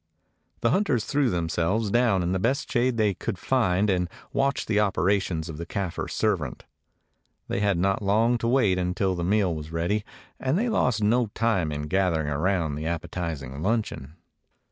The hunters threw themselves down in the best shade they could find and watched the operations of the Kafir servant. They had not long to wait until the meal was ready, and they lost no time in gathering around the appetizing luncheon.